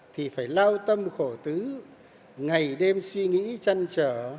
thì phải lao tâm khổ tứ ngày đêm suy nghĩ trăn trở